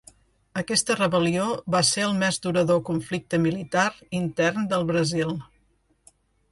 Aquesta rebel·lió va ser el més durador conflicte militar intern del Brasil.